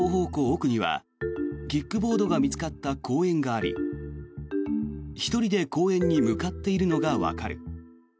奥にはキックボードが見つかった公園があり１人で公園に向かっているのがわかる。